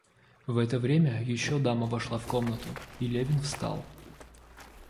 В это время еще дама вошла в комнату, и Левин встал.